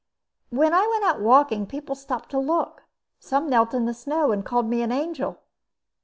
"When I went out walking people stopped to look. Some knelt in the snow and called me an angel."